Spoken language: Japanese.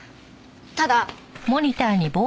ただ。